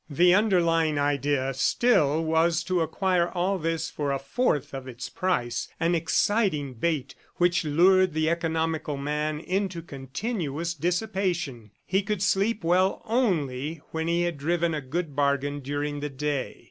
The underlying idea still was to acquire all this for a fourth of its price an exciting bait which lured the economical man into continuous dissipation. He could sleep well only when he had driven a good bargain during the day.